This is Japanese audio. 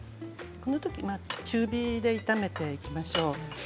このとき中火で炒めていきましょう。